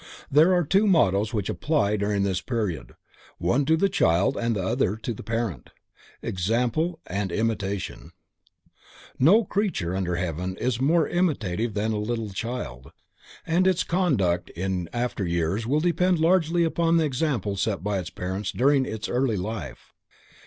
There are two mottoes which apply during this period, one to the child and the other to the parent: Example and Imitation. No creature under heaven is more imitative than a little child, and its conduct in after years will depend largely upon the example set by its parents during its early life.